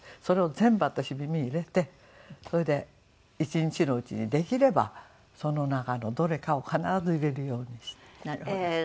それを全部私耳に入れてそれで一日のうちにできればその中のどれかを必ず入れるようにして。